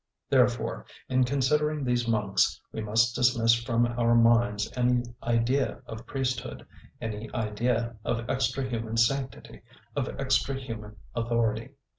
Therefore, in considering these monks, we must dismiss from our minds any idea of priesthood, any idea of extra human sanctity, of extra human authority.